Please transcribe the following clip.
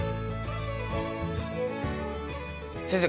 先生